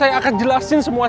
aku akan jelasin semua